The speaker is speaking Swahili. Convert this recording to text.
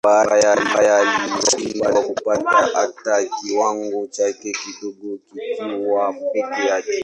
Kwa bahati mbaya alishindwa kupata hata kiwango chake kidogo kikiwa peke yake.